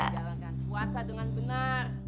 menjalankan puasa dengan benar